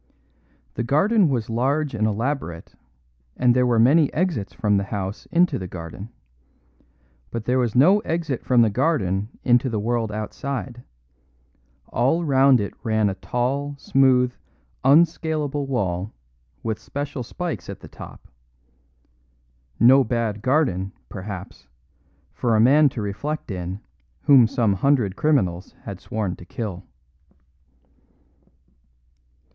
The garden was large and elaborate, and there were many exits from the house into the garden. But there was no exit from the garden into the world outside; all round it ran a tall, smooth, unscalable wall with special spikes at the top; no bad garden, perhaps, for a man to reflect in whom some hundred criminals had sworn to kill.